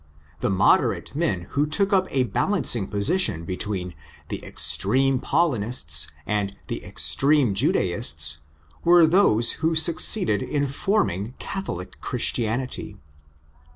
The moderate men who took up a balancing position between the extreme Paulinists and the extreme Judaists were those who succeeded in forming Catholic Christianity.